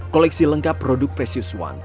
koleksi lengkap produk presis one